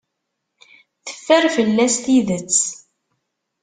Teffer fell-as tidet.